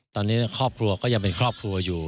ตอนนี้ครอบครัวก็ยังเป็นครอบครัวอยู่